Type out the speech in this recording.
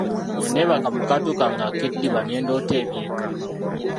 Ne neebaka mu kaato kange ak'eddiba ne ndoota eby'eka.